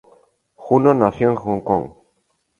Juno nació en Hong Kong.